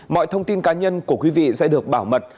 mọi thông tin cá nhân của quý vị sẽ được bảo mật